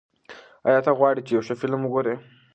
ایا ته غواړې چې یو ښه فلم وګورې؟